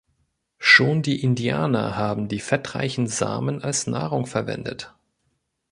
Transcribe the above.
Schon die Indianer haben die fettreichen Samen als Nahrung verwendet.